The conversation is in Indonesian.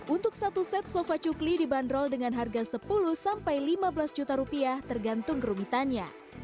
untuk satu set sofa cukli dibanderol dengan harga sepuluh sampai lima belas juta rupiah tergantung kerumitannya